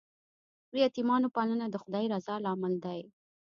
د یتیمانو پالنه د خدای د رضا لامل دی.